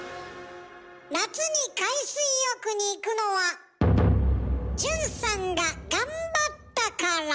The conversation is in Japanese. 夏に海水浴に行くのはじゅんさんが頑張ったから！